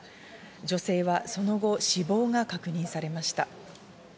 女性はその後、死亡が確認されました。